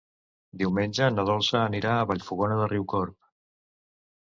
Diumenge na Dolça anirà a Vallfogona de Riucorb.